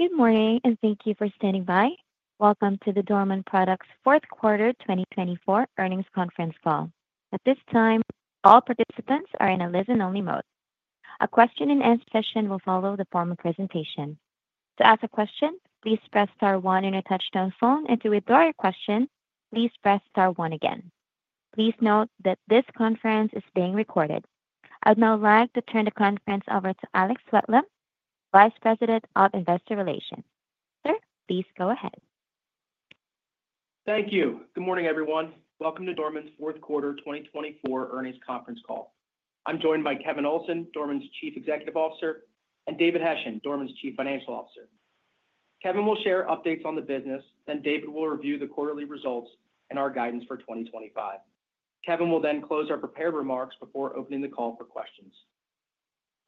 Good morning, and thank you for standing by. Welcome to the Dorman Products Fourth Quarter 2024 Earnings Conference Call. At this time, all participants are in a listen-only mode. A question-and-answer session will follow the formal presentation. To ask a question, please press star one on your touchtone phone, and to withdraw your question, please press star one again. Please note that this conference is being recorded. I would now like to turn the conference over to Alex Whitelam, Vice President of Investor Relations. Sir, please go ahead. Thank you. Good morning, everyone. Welcome to Dorman's Fourth Quarter 2024 Earnings Conference Call. I'm joined by Kevin Olsen, Dorman's Chief Executive Officer, and David Hession, Dorman's Chief Financial Officer. Kevin will share updates on the business, then David will review the quarterly results and our guidance for 2025. Kevin will then close our prepared remarks before opening the call for questions.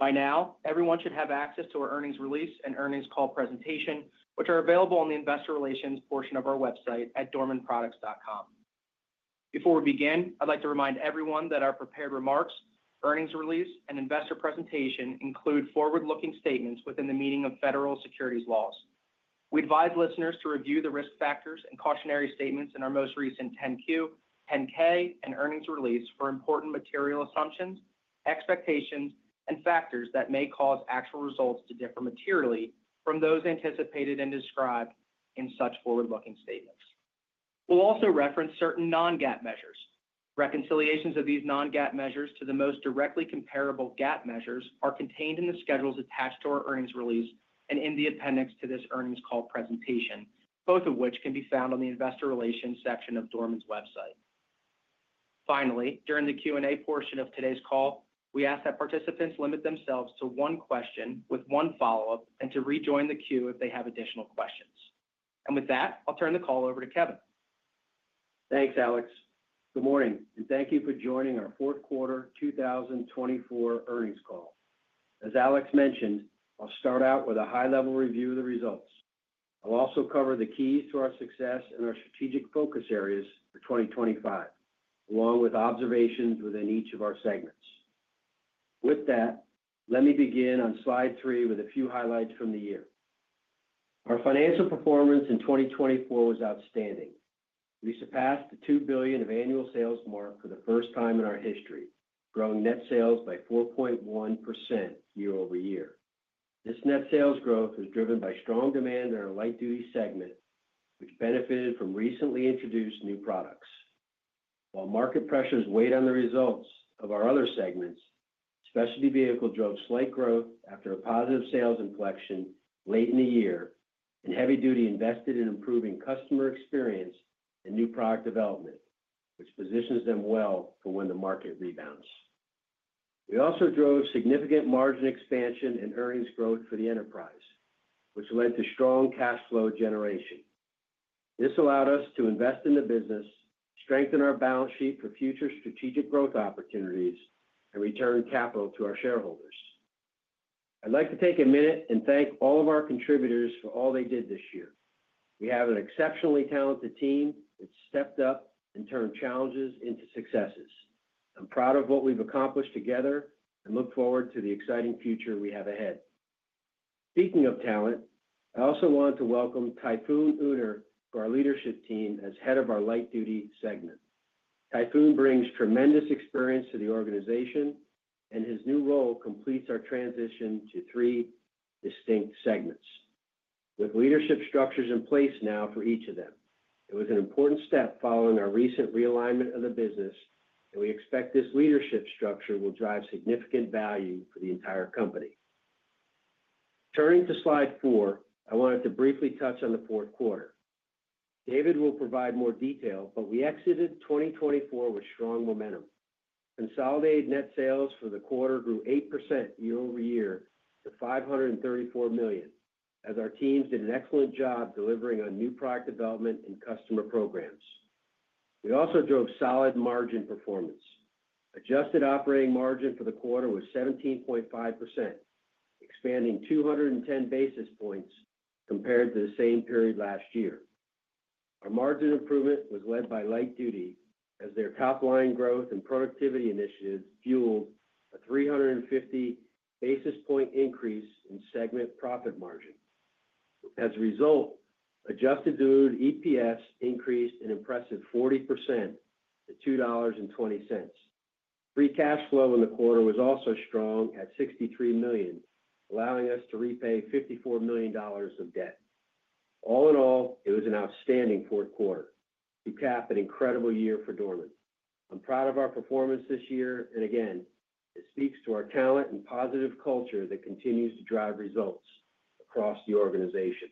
By now, everyone should have access to our earnings release and earnings call presentation, which are available on the Investor Relations portion of our website at dormanproducts.com. Before we begin, I'd like to remind everyone that our prepared remarks, earnings release, and investor presentation include forward-looking statements within the meaning of federal securities laws. We advise listeners to review the risk factors and cautionary statements in our most recent 10-Q, 10-K, and earnings release for important material assumptions, expectations, and factors that may cause actual results to differ materially from those anticipated and described in such forward-looking statements. We'll also reference certain non-GAAP measures. Reconciliations of these non-GAAP measures to the most directly comparable GAAP measures are contained in the schedules attached to our earnings release and in the appendix to this earnings call presentation, both of which can be found on the Investor Relations section of Dorman's website. Finally, during the Q&A portion of today's call, we ask that participants limit themselves to one question with one follow-up and to rejoin the queue if they have additional questions. And with that, I'll turn the call over to Kevin. Thanks, Alex. Good morning, and thank you for joining our fourth quarter 2024 earnings call. As Alex mentioned, I'll start out with a high-level review of the results. I'll also cover the keys to our success and our strategic focus areas for 2025, along with observations within each of our segments. With that, let me begin on slide three with a few highlights from the year. Our financial performance in 2024 was outstanding. We surpassed the $2 billion of annual sales mark for the first time in our history, growing net sales by 4.1% year-over-year. This net sales growth was driven by strong demand in our Light Duty segment, which benefited from recently introduced new products. While market pressures weighed on the results of our other segments, Specialty Vehicles drove slight growth after a positive sales inflection late in the year, and Heavy Duty invested in improving customer experience and new product development, which positions them well for when the market rebounds. We also drove significant margin expansion and earnings growth for the enterprise, which led to strong cash flow generation. This allowed us to invest in the business, strengthen our balance sheet for future strategic growth opportunities, and return capital to our shareholders. I'd like to take a minute and thank all of our contributors for all they did this year. We have an exceptionally talented team that stepped up and turned challenges into successes. I'm proud of what we've accomplished together and look forward to the exciting future we have ahead. Speaking of talent, I also want to welcome Tayfun Uner to our leadership team as head of our Light Duty segment. Tayfun brings tremendous experience to the organization, and his new role completes our transition to three distinct segments, with leadership structures in place now for each of them. It was an important step following our recent realignment of the business, and we expect this leadership structure will drive significant value for the entire company. Turning to slide four, I wanted to briefly touch on the fourth quarter. David will provide more detail, but we exited 2024 with strong momentum. Consolidated net sales for the quarter grew 8% year-over-year to $534 million, as our teams did an excellent job delivering on new product development and customer programs. We also drove solid margin performance. Adjusted operating margin for the quarter was 17.5%, expanding 210 basis points compared to the same period last year. Our margin improvement was led by Light Duty, as their top-line growth and productivity initiatives fueled a 350 basis point increase in segment profit margin. As a result, adjusted diluted EPS increased an impressive 40% to $2.20. Free cash flow in the quarter was also strong at $63 million, allowing us to repay $54 million of debt. All in all, it was an outstanding fourth quarter, capping an incredible year for Dorman. I'm proud of our performance this year, and again, it speaks to our talent and positive culture that continues to drive results across the organization.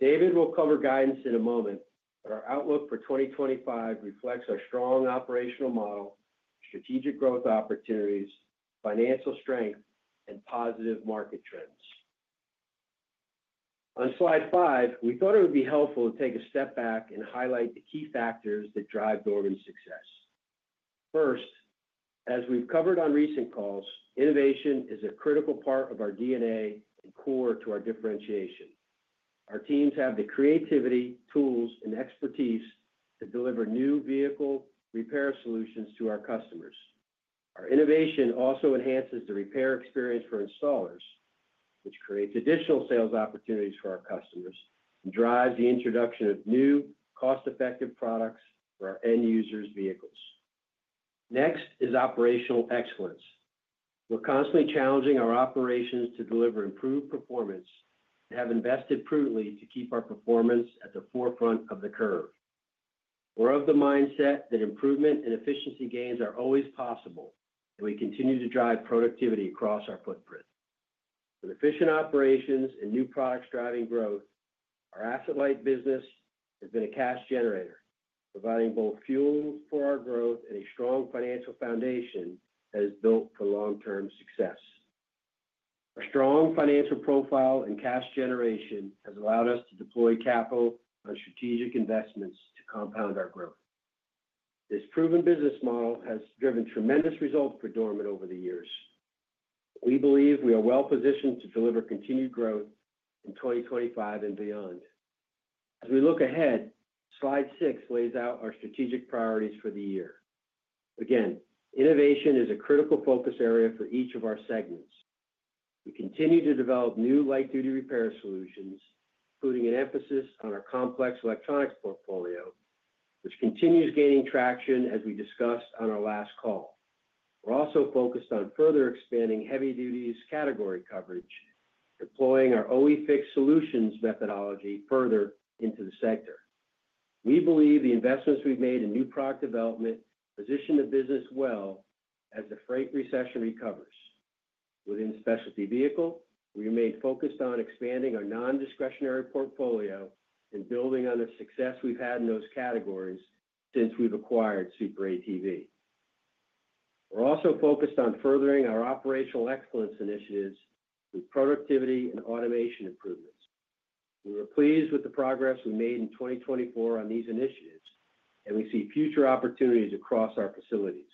David will cover guidance in a moment, but our outlook for 2025 reflects our strong operational model, strategic growth opportunities, financial strength, and positive market trends. On slide five, we thought it would be helpful to take a step back and highlight the key factors that drive Dorman's success. First, as we've covered on recent calls, innovation is a critical part of our DNA and core to our differentiation. Our teams have the creativity, tools, and expertise to deliver new vehicle repair solutions to our customers. Our innovation also enhances the repair experience for installers, which creates additional sales opportunities for our customers and drives the introduction of new cost-effective products for our end users' vehicles. Next is operational excellence. We're constantly challenging our operations to deliver improved performance and have invested prudently to keep our performance at the forefront of the curve. We're of the mindset that improvement and efficiency gains are always possible, and we continue to drive productivity across our footprint. With efficient operations and new products driving growth, our asset-light business has been a cash generator, providing both fuel for our growth and a strong financial foundation that is built for long-term success. Our strong financial profile and cash generation has allowed us to deploy capital on strategic investments to compound our growth. This proven business model has driven tremendous results for Dorman over the years. We believe we are well-positioned to deliver continued growth in 2025 and beyond. As we look ahead, slide six lays out our strategic priorities for the year. Again, innovation is a critical focus area for each of our segments. We continue to develop new Light Duty repair solutions, including an emphasis on our complex electronics portfolio, which continues gaining traction as we discussed on our last call. We're also focused on further expanding Heavy Duty category coverage, deploying our OE FIX solutions methodology further into the sector. We believe the investments we've made in new product development position the business well as the freight recession recovers. Within Specialty Vehicle, we remain focused on expanding our non-discretionary portfolio and building on the success we've had in those categories since we've acquired SuperATV. We're also focused on furthering our operational excellence initiatives with productivity and automation improvements. We were pleased with the progress we made in 2024 on these initiatives, and we see future opportunities across our facilities.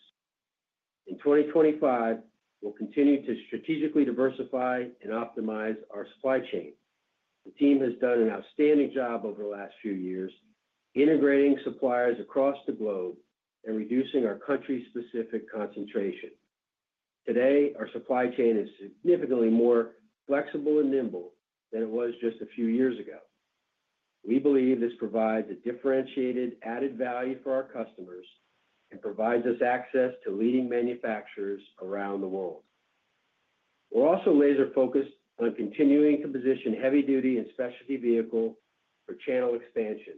In 2025, we'll continue to strategically diversify and optimize our supply chain. The team has done an outstanding job over the last few years, integrating suppliers across the globe and reducing our country-specific concentration. Today, our supply chain is significantly more flexible and nimble than it was just a few years ago. We believe this provides a differentiated added value for our customers and provides us access to leading manufacturers around the world. We're also laser-focused on continuing to position Heavy Duty and Specialty Vehicle for channel expansion,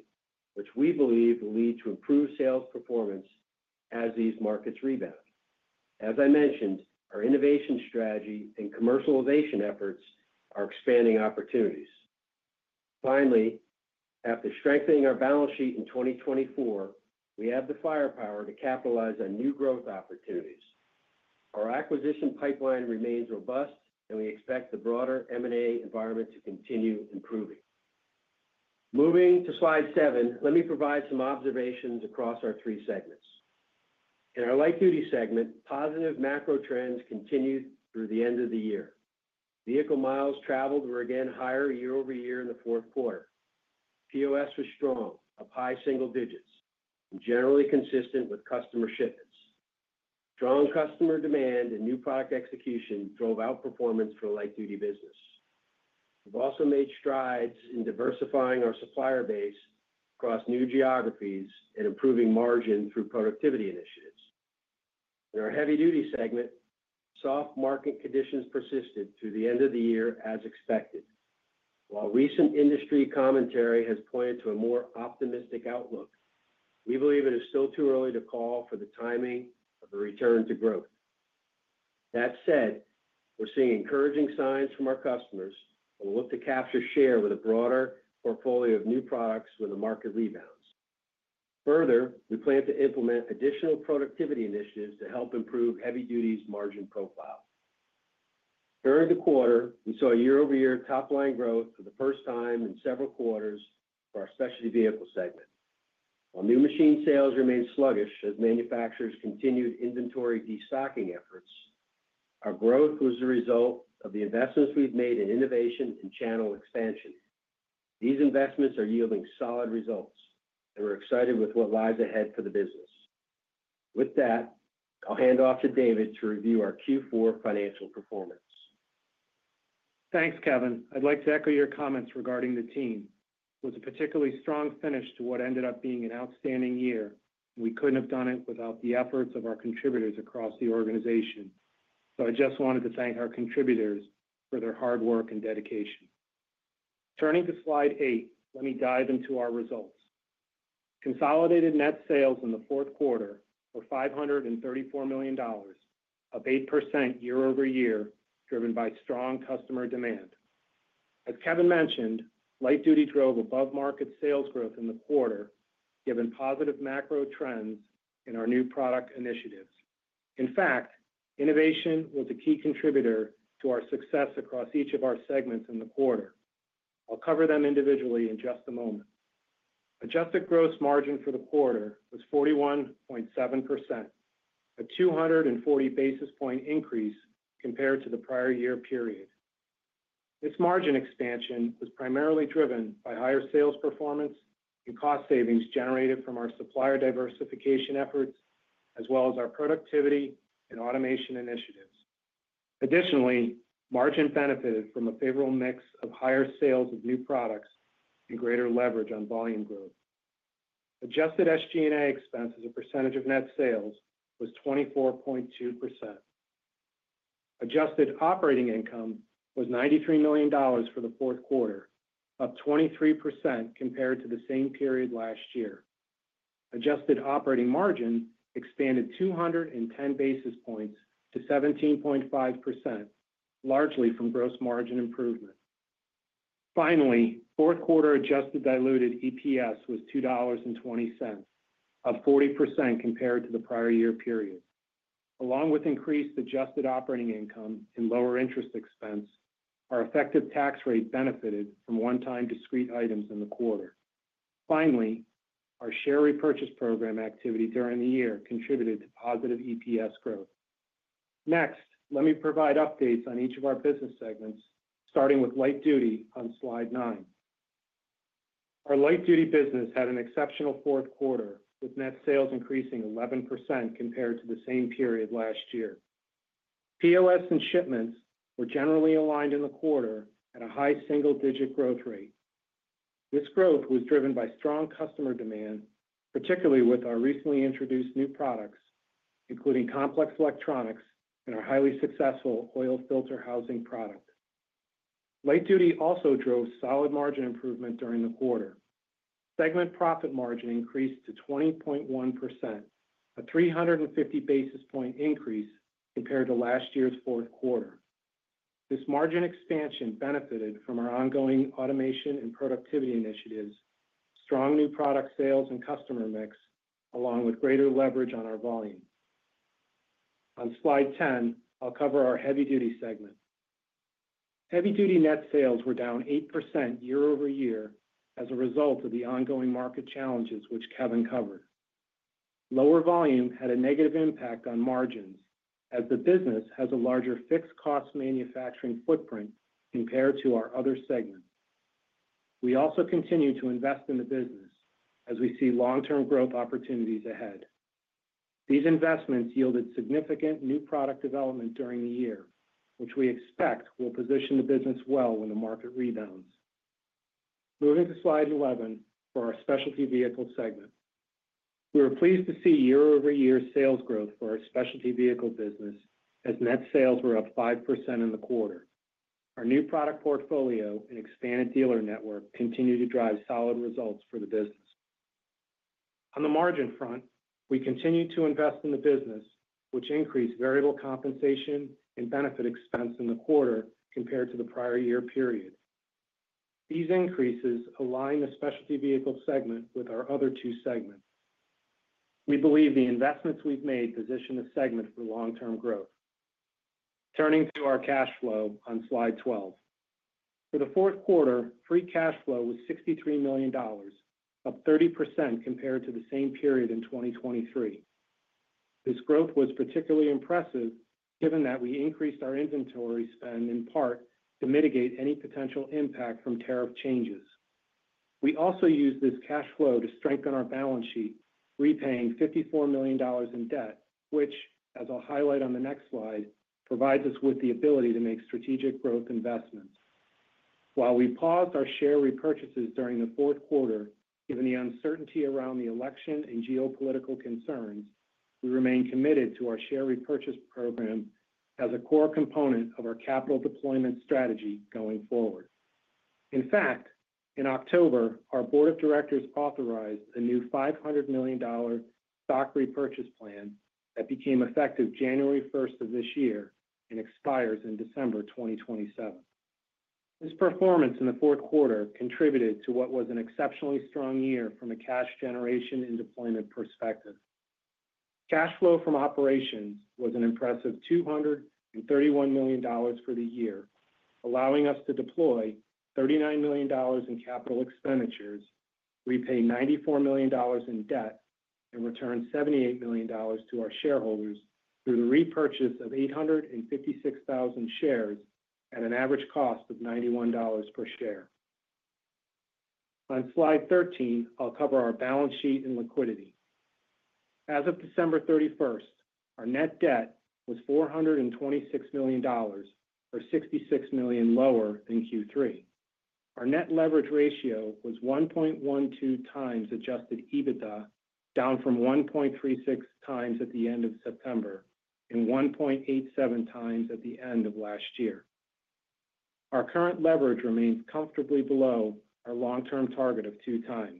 which we believe will lead to improved sales performance as these markets rebound. As I mentioned, our innovation strategy and commercialization efforts are expanding opportunities. Finally, after strengthening our balance sheet in 2024, we have the firepower to capitalize on new growth opportunities. Our acquisition pipeline remains robust, and we expect the broader M&A environment to continue improving. Moving to slide seven, let me provide some observations across our three segments. In our Light Duty segment, positive macro trends continued through the end of the year. Vehicle Miles Traveled were again higher year over year in the fourth quarter. POS was strong, up high single digits, and generally consistent with customer shipments. Strong customer demand and new product execution drove outperformance for the Light Duty business. We've also made strides in diversifying our supplier base across new geographies and improving margin through productivity initiatives. In our Heavy Duty segment, soft market conditions persisted through the end of the year as expected. While recent industry commentary has pointed to a more optimistic outlook, we believe it is still too early to call for the timing of a return to growth. That said, we're seeing encouraging signs from our customers, and we'll look to capture share with a broader portfolio of new products when the market rebounds. Further, we plan to implement additional productivity initiatives to help improve Heavy Duty's margin profile. During the quarter, we saw year-over-year top-line growth for the first time in several quarters for our Specialty Vehicle segment. While new machine sales remained sluggish as manufacturers continued inventory destocking efforts, our growth was the result of the investments we've made in innovation and channel expansion. These investments are yielding solid results, and we're excited with what lies ahead for the business. With that, I'll hand off to David to review our Q4 financial performance. Thanks, Kevin. I'd like to echo your comments regarding the team. It was a particularly strong finish to what ended up being an outstanding year, and we couldn't have done it without the efforts of our contributors across the organization. So I just wanted to thank our contributors for their hard work and dedication. Turning to slide eight, let me dive into our results. Consolidated net sales in the fourth quarter were $534 million, up 8% year-over-year, driven by strong customer demand. As Kevin mentioned, Light Duty drove above-market sales growth in the quarter, given positive macro trends in our new product initiatives. In fact, innovation was a key contributor to our success across each of our segments in the quarter. I'll cover them individually in just a moment. Adjusted gross margin for the quarter was 41.7%, a 240 basis points increase compared to the prior year period. This margin expansion was primarily driven by higher sales performance and cost savings generated from our supplier diversification efforts, as well as our productivity and automation initiatives. Additionally, margin benefited from a favorable mix of higher sales of new products and greater leverage on volume growth. Adjusted SG&A expenses percentage of net sales was 24.2%. Adjusted operating income was $93 million for the fourth quarter, up 23% compared to the same period last year. Adjusted operating margin expanded 210 basis points to 17.5%, largely from gross margin improvement. Finally, fourth quarter adjusted diluted EPS was $2.20, up 40% compared to the prior year period. Along with increased adjusted operating income and lower interest expense, our effective tax rate benefited from one-time discrete items in the quarter. Finally, our share repurchase program activity during the year contributed to positive EPS growth. Next, let me provide updates on each of our business segments, starting with Light Duty on slide nine. Our Light Duty business had an exceptional fourth quarter, with net sales increasing 11% compared to the same period last year. POS and shipments were generally aligned in the quarter at a high single-digit growth rate. This growth was driven by strong customer demand, particularly with our recently introduced new products, including complex electronics and our highly successful oil filter housing product. Light Duty also drove solid margin improvement during the quarter. Segment profit margin increased to 20.1%, a 350 basis points increase compared to last year's fourth quarter. This margin expansion benefited from our ongoing automation and productivity initiatives, strong new product sales, and customer mix, along with greater leverage on our volume. On slide 10, I'll cover our Heavy Duty segment. Heavy Duty net sales were down 8% year-over-year as a result of the ongoing market challenges, which Kevin covered. Lower volume had a negative impact on margins, as the business has a larger fixed cost manufacturing footprint compared to our other segments. We also continue to invest in the business as we see long-term growth opportunities ahead. These investments yielded significant new product development during the year, which we expect will position the business well when the market rebounds. Moving to slide 11 for our Specialty Vehicle segment. We were pleased to see year-over-year sales growth for our Specialty Vehicle business, as net sales were up 5% in the quarter. Our new product portfolio and expanded dealer network continue to drive solid results for the business. On the margin front, we continue to invest in the business, which increased variable compensation and benefit expense in the quarter compared to the prior year period. These increases align the Specialty Vehicle segment with our other two segments. We believe the investments we've made position the segment for long-term growth. Turning to our cash flow on slide 12. For the fourth quarter, free cash flow was $63 million, up 30% compared to the same period in 2023. This growth was particularly impressive, given that we increased our inventory spend in part to mitigate any potential impact from tariff changes. We also used this cash flow to strengthen our balance sheet, repaying $54 million in debt, which, as I'll highlight on the next slide, provides us with the ability to make strategic growth investments. While we paused our share repurchases during the fourth quarter, given the uncertainty around the election and geopolitical concerns, we remain committed to our share repurchase program as a core component of our capital deployment strategy going forward. In fact, in October, our board of directors authorized a new $500 million stock repurchase plan that became effective January 1st of this year and expires in December 2027. This performance in the fourth quarter contributed to what was an exceptionally strong year from a cash generation and deployment perspective. Cash flow from operations was an impressive $231 million for the year, allowing us to deploy $39 million in capital expenditures, repay $94 million in debt, and return $78 million to our shareholders through the repurchase of 856,000 shares at an average cost of $91 per share. On slide 13, I'll cover our balance sheet and liquidity. As of December 31st, our net debt was $426 million, or $66 million lower than Q3. Our net leverage ratio was 1.12x adjusted EBITDA, down from 1.36x at the end of September and 1.87x at the end of last year. Our current leverage remains comfortably below our long-term target of 2x.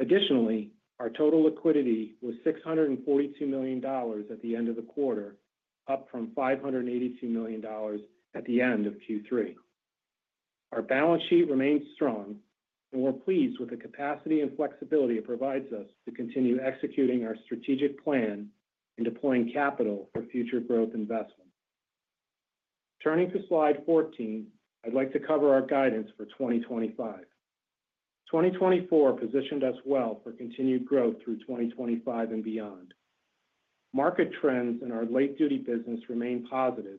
Additionally, our total liquidity was $642 million at the end of the quarter, up from $582 million at the end of Q3. Our balance sheet remains strong, and we're pleased with the capacity and flexibility it provides us to continue executing our strategic plan and deploying capital for future growth investments. Turning to slide 14, I'd like to cover our guidance for 2025. 2024 positioned us well for continued growth through 2025 and beyond. Market trends in our Light Duty business remain positive,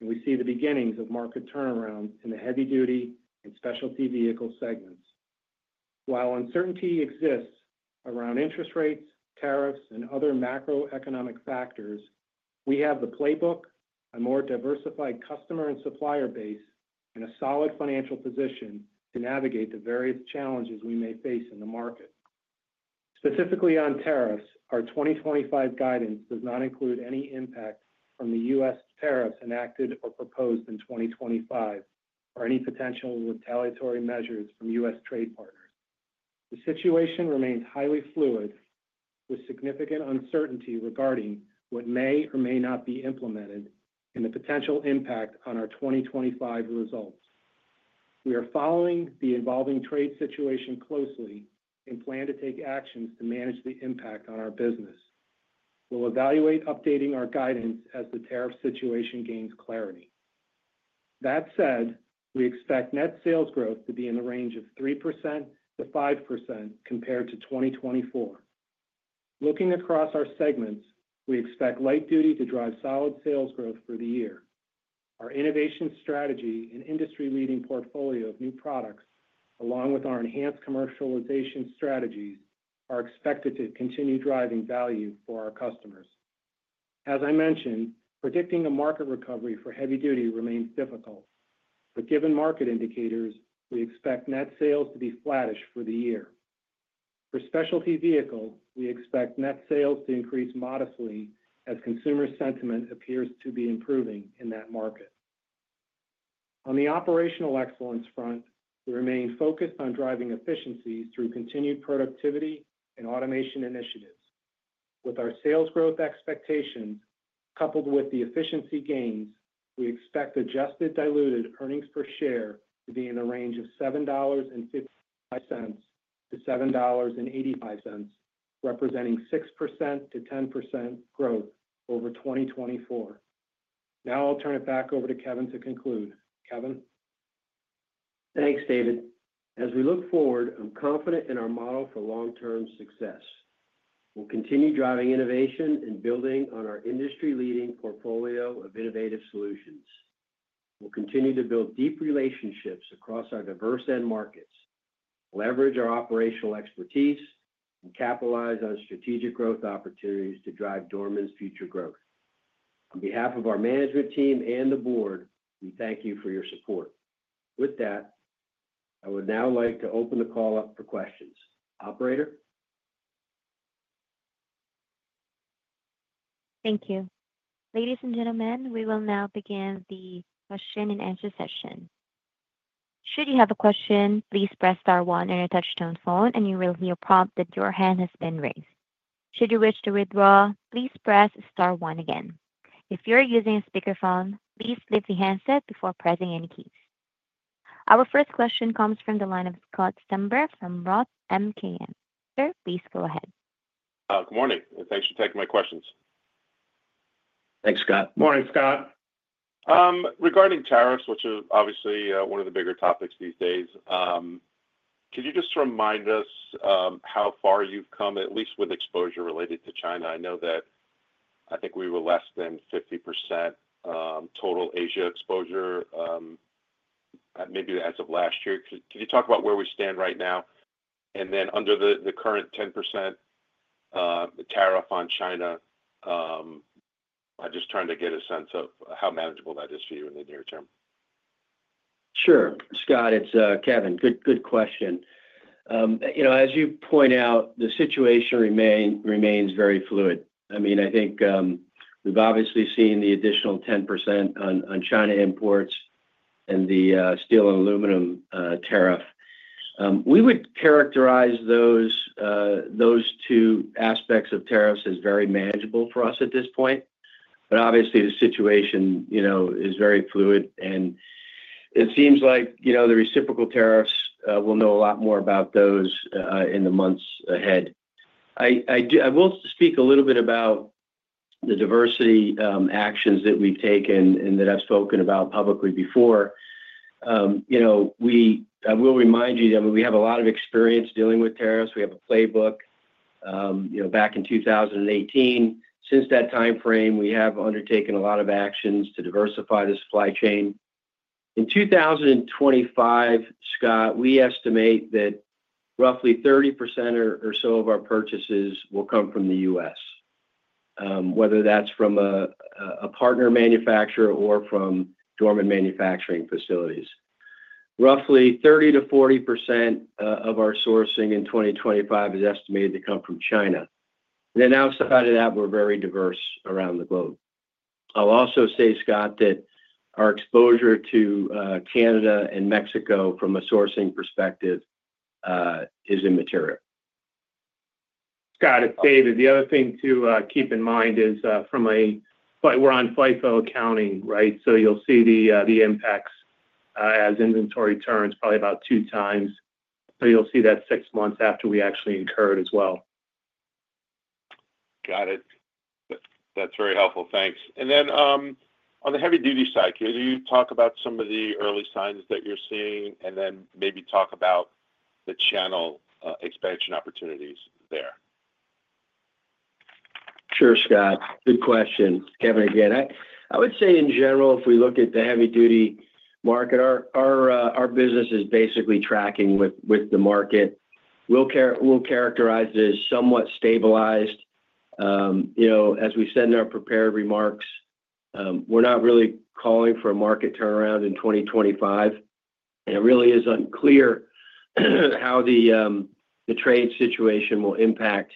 and we see the beginnings of market turnarounds in the Heavy Duty and Specialty Vehicle segments. While uncertainty exists around interest rates, tariffs, and other macroeconomic factors, we have the playbook, a more diversified customer and supplier base, and a solid financial position to navigate the various challenges we may face in the market. Specifically on tariffs, our 2025 guidance does not include any impact from the U.S. tariffs enacted or proposed in 2025, or any potential retaliatory measures from U.S. trade partners. The situation remains highly fluid, with significant uncertainty regarding what may or may not be implemented and the potential impact on our 2025 results. We are following the evolving trade situation closely and plan to take actions to manage the impact on our business. We'll evaluate updating our guidance as the tariff situation gains clarity. That said, we expect net sales growth to be in the range of 3%-5% compared to 2024. Looking across our segments, we expect Light Duty to drive solid sales growth for the year. Our innovation strategy and industry-leading portfolio of new products, along with our enhanced commercialization strategies, are expected to continue driving value for our customers. As I mentioned, predicting a market recovery for Heavy Duty remains difficult, but given market indicators, we expect net sales to be flattish for the year. For Specialty Vehicles, we expect net sales to increase modestly as consumer sentiment appears to be improving in that market. On the operational excellence front, we remain focused on driving efficiencies through continued productivity and automation initiatives. With our sales growth expectations coupled with the efficiency gains, we expect adjusted diluted earnings per share to be in the range of $7.55-$7.85, representing 6%-10% growth over 2024. Now I'll turn it back over to Kevin to conclude. Kevin. Thanks, David. As we look forward, I'm confident in our model for long-term success. We'll continue driving innovation and building on our industry-leading portfolio of innovative solutions. We'll continue to build deep relationships across our diverse end markets, leverage our operational expertise, and capitalize on strategic growth opportunities to drive Dorman's future growth. On behalf of our management team and the board, we thank you for your support. With that, I would now like to open the call up for questions. Operator? Thank you. Ladies and gentlemen, we will now begin the question and answer session. Should you have a question, please press star one on your touchtone phone, and you will hear a prompt that your hand has been raised. Should you wish to withdraw, please press star one again. If you're using a speakerphone, please lift the handset before pressing any keys. Our first question comes from the line of Scott Stember from Roth MKM. Sir, please go ahead. Good morning, and thanks for taking my questions. Thanks, Scott. Morning, Scott. Regarding tariffs, which is obviously one of the bigger topics these days, could you just remind us how far you've come, at least with exposure related to China? I know that I think we were less than 50% total Asia exposure, maybe as of last year. Could you talk about where we stand right now? And then under the current 10% tariff on China, I'm just trying to get a sense of how manageable that is for you in the near term. Sure. Scott, it's Kevin. Good question. As you point out, the situation remains very fluid. I mean, I think we've obviously seen the additional 10% on China imports and the steel and aluminum tariff. We would characterize those two aspects of tariffs as very manageable for us at this point, but obviously, the situation is very fluid, and it seems like the reciprocal tariffs we'll know a lot more about those in the months ahead. I will speak a little bit about the diversification actions that we've taken and that I've spoken about publicly before. I will remind you that we have a lot of experience dealing with tariffs. We have a playbook back in 2018. Since that time frame, we have undertaken a lot of actions to diversify the supply chain. In 2025, Scott, we estimate that roughly 30% or so of our purchases will come from the U.S., whether that's from a partner manufacturer or from Dorman manufacturing facilities. Roughly 30%-40% of our sourcing in 2025 is estimated to come from China, then outside of that, we're very diverse around the globe. I'll also say, Scott, that our exposure to Canada and Mexico from a sourcing perspective is immaterial. Got it. David, the other thing to keep in mind is from a we're on FIFO accounting, right? So you'll see the impacts as inventory turns probably about two times. So you'll see that six months after we actually incurred as well. Got it. That's very helpful. Thanks, and then on the Heavy Duty side, can you talk about some of the early signs that you're seeing and then maybe talk about the channel expansion opportunities there? Sure, Scott. Good question, Kevin, again. I would say, in general, if we look at the Heavy Duty market, our business is basically tracking with the market. We'll characterize it as somewhat stabilized. As we said in our prepared remarks, we're not really calling for a market turnaround in 2025, and it really is unclear how the trade situation will impact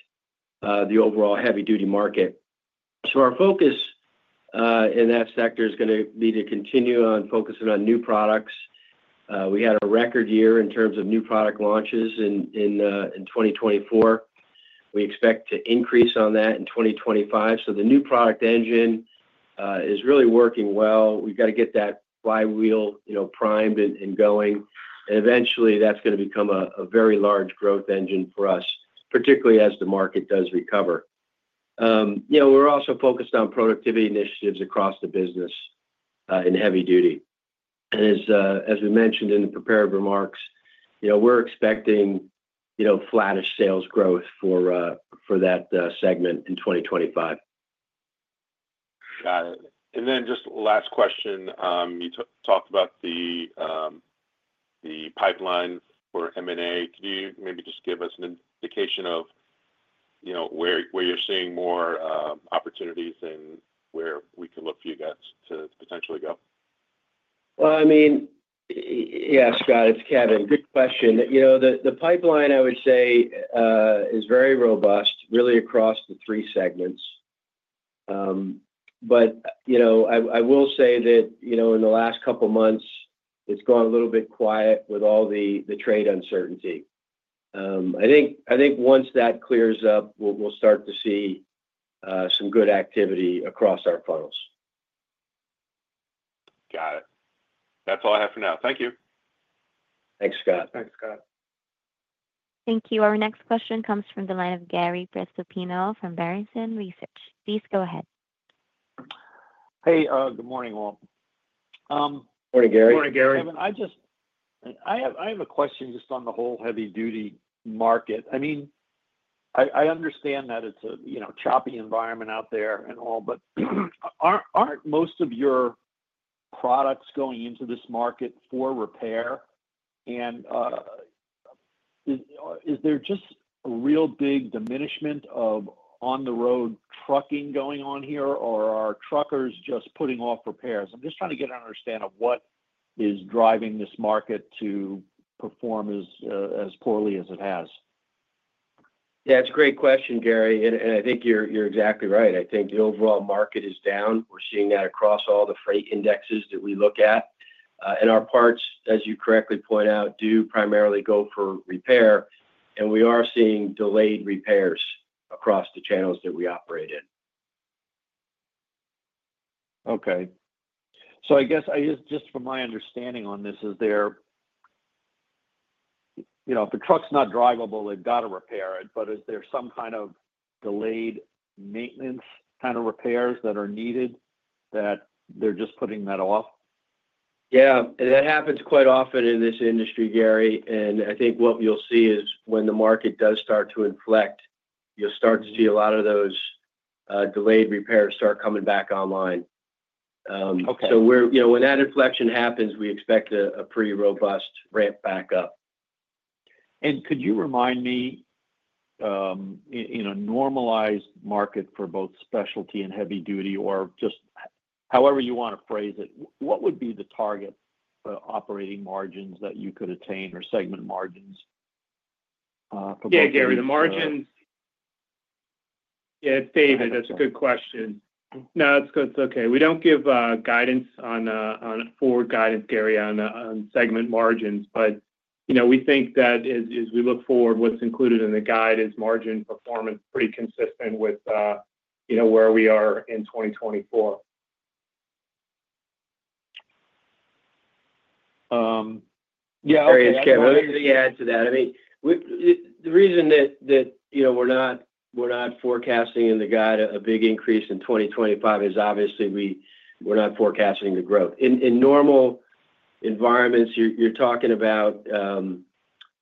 the overall Heavy Duty market. So our focus in that sector is going to be to continue on focusing on new products. We had a record year in terms of new product launches in 2024. We expect to increase on that in 2025. So the new product engine is really working well. We've got to get that flywheel primed and going. And eventually, that's going to become a very large growth engine for us, particularly as the market does recover. We're also focused on productivity initiatives across the business in Heavy Duty. As we mentioned in the prepared remarks, we're expecting flattish sales growth for that segment in 2025. Got it. And then just last question. You talked about the pipeline for M&A. Could you maybe just give us an indication of where you're seeing more opportunities and where we can look for you guys to potentially go? I mean, yeah, Scott, it's Kevin. Good question. The pipeline, I would say, is very robust, really across the three segments. But I will say that in the last couple of months, it's gone a little bit quiet with all the trade uncertainty. I think once that clears up, we'll start to see some good activity across our funnels. Got it. That's all I have for now. Thank you. Thanks, Scott. Thanks, Scott. Thank you. Our next question comes from the line of Gary Prestopino from Barrington Research. Please go ahead. Hey, good morning, all. Morning, Gary. Morning, Gary. Kevin, I have a question just on the whole Heavy Duty market. I mean, I understand that it's a choppy environment out there and all, but aren't most of your products going into this market for repair? And is there just a real big diminishment of on-the-road trucking going on here, or are truckers just putting off repairs? I'm just trying to get an understanding of what is driving this market to perform as poorly as it has. Yeah, it's a great question, Gary. And I think you're exactly right. I think the overall market is down. We're seeing that across all the freight indexes that we look at. And our parts, as you correctly point out, do primarily go for repair. And we are seeing delayed repairs across the channels that we operate in. Okay, so I guess just from my understanding on this, is there if a truck's not drivable, they've got to repair it, but is there some kind of delayed maintenance kind of repairs that are needed that they're just putting that off? Yeah. And that happens quite often in this industry, Gary. And I think what you'll see is when the market does start to inflect, you'll start to see a lot of those delayed repairs start coming back online. So when that inflection happens, we expect a pretty robust ramp back up. Could you remind me, in a normalized market for both Specialty and Heavy Duty, or just however you want to phrase it, what would be the target operating margins that you could attain or segment margins? Yeah, Gary, the margins yeah, it's David. That's a good question. No, it's okay. We don't give guidance on forward guidance, Gary, on segment margins, but we think that as we look forward, what's included in the guide is margin performance pretty consistent with where we are in 2024. Yeah, I'll add to that. I mean, the reason that we're not forecasting in the guide a big increase in 2025 is obviously we're not forecasting the growth. In normal environments, you're talking about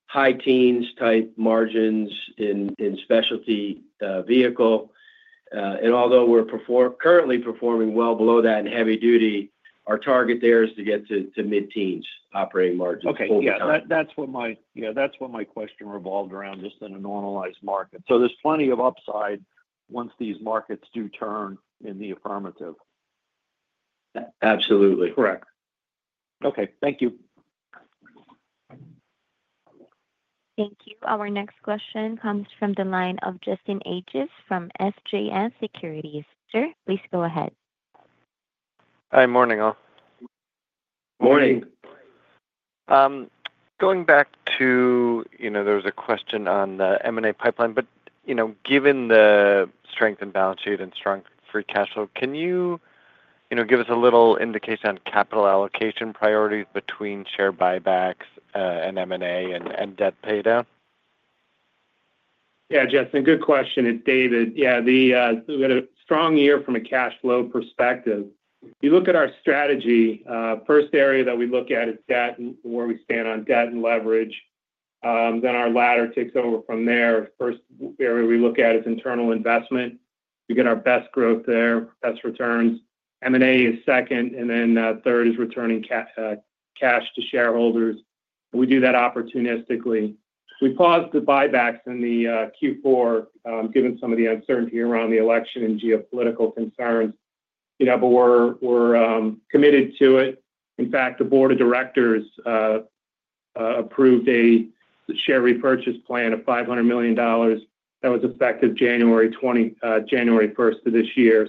high teens type margins in Specialty Vehicle. And although we're currently performing well below that in Heavy Duty, our target there is to get to mid-teens operating margins. Okay. Yeah, that's what my question revolved around just in a normalized market. So there's plenty of upside once these markets do turn in the affirmative. Absolutely. Correct. Okay. Thank you. Thank you. Our next question comes from the line of Justin Ages from CJS Securities. Sir, please go ahead. Hi, morning, all. Morning. Going back to there was a question on the M&A pipeline, but given the strength and balance sheet and strong free cash flow, can you give us a little indication on capital allocation priorities between share buybacks and M&A and debt paydown? Yeah, Justin, good question. It's David. Yeah, we had a strong year from a cash flow perspective. You look at our strategy, first area that we look at is debt and where we stand on debt and leverage. Then our latter takes over from there. First area we look at is internal investment. We get our best growth there, best returns. M&A is second, and then third is returning cash to shareholders. We do that opportunistically. We paused the buybacks in the Q4 given some of the uncertainty around the election and geopolitical concerns, but we're committed to it. In fact, the board of directors approved a share repurchase plan of $500 million that was effective January 1st of this year.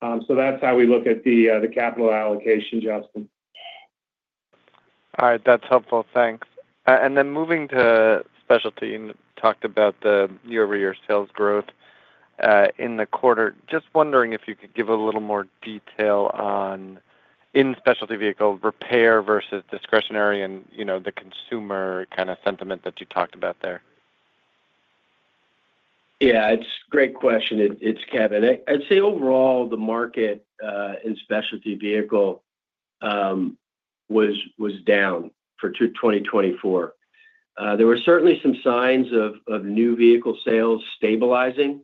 So that's how we look at the capital allocation, Justin. All right. That's helpful. Thanks. And then moving to Specialty, you talked about the year-over-year sales growth in the quarter. Just wondering if you could give a little more detail on in Specialty Vehicle repair versus discretionary and the consumer kind of sentiment that you talked about there? Yeah, it's a great question. It's Kevin. I'd say overall, the market in Specialty Vehicle was down for 2024. There were certainly some signs of new vehicle sales stabilizing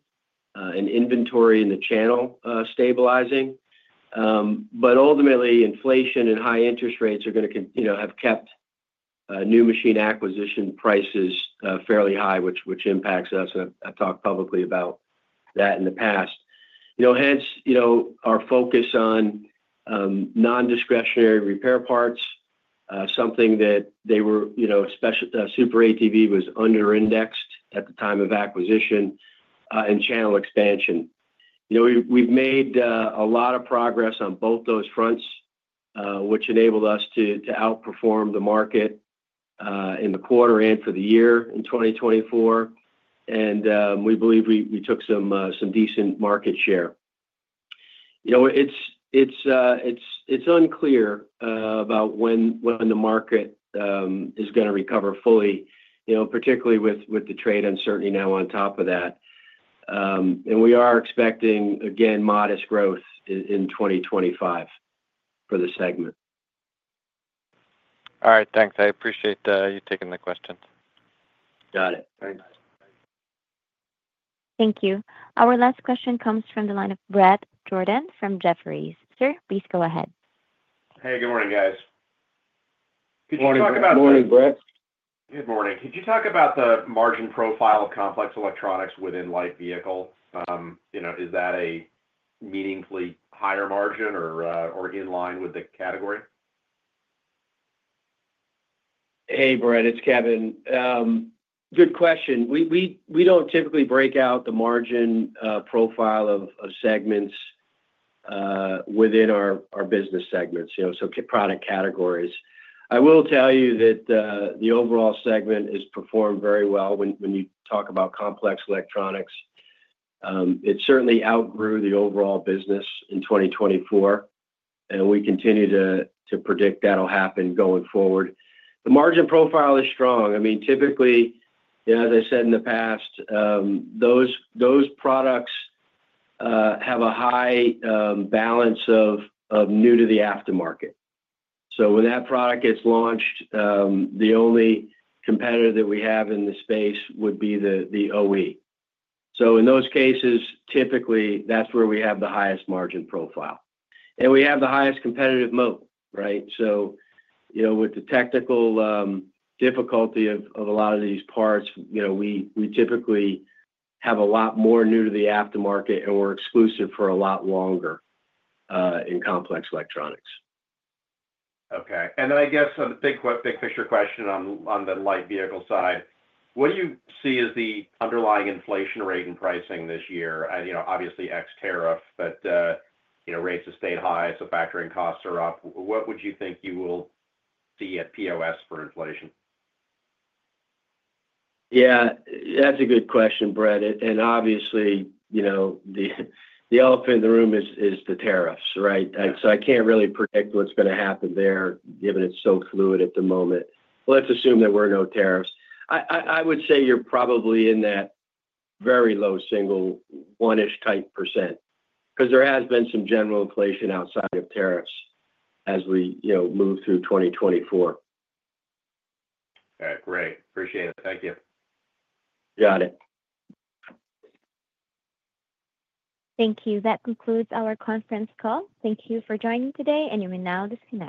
and inventory in the channel stabilizing. But ultimately, inflation and high interest rates are going to have kept new machine acquisition prices fairly high, which impacts us. I've talked publicly about that in the past. Hence, our focus on non-discretionary repair parts, something that SuperATV was under-indexed at the time of acquisition and channel expansion. We've made a lot of progress on both those fronts, which enabled us to outperform the market in the quarter and for the year in 2024. And we believe we took some decent market share. It's unclear about when the market is going to recover fully, particularly with the trade uncertainty now on top of that. We are expecting, again, modest growth in 2025 for the segment. All right. Thanks. I appreciate you taking the questions. Got it. Thanks. Thank you. Our last question comes from the line of Bret Jordan from Jefferies. Sir, please go ahead. Hey, good morning, guys. Good morning. Can you talk about the? Good morning, Bret. Good morning. Could you talk about the margin profile of complex electronics within Light Vehicle? Is that a meaningfully higher margin or in line with the category? Hey, Bret. It's Kevin. Good question. We don't typically break out the margin profile of segments within our business segments, so product categories. I will tell you that the overall segment has performed very well when you talk about complex electronics. It certainly outgrew the overall business in 2024, and we continue to predict that'll happen going forward. The margin profile is strong. I mean, typically, as I said in the past, those products have a high balance of new-to-the-aftermarket. So when that product gets launched, the only competitor that we have in the space would be the OE. So in those cases, typically, that's where we have the highest margin profile, and we have the highest competitive moat, right? So with the technical difficulty of a lot of these parts, we typically have a lot more new-to-the-aftermarket, and we're exclusive for a lot longer in complex electronics. Okay. And then I guess a big picture question on the Light Vehicle side. What do you see as the underlying inflation rate and pricing this year? Obviously, ex tariff, but rates have stayed high, so factoring costs are up. What would you think you will see at POS for inflation? Yeah, that's a good question, Bret, and obviously, the elephant in the room is the tariffs, right, so I can't really predict what's going to happen there given it's so fluid at the moment, well, let's assume that we're no tariffs. I would say you're probably in that very low single one-ish type % because there has been some general inflation outside of tariffs as we move through 2024. All right. Great. Appreciate it. Thank you. Got it. Thank you. That concludes our conference call. Thank you for joining today, and you may now disconnect.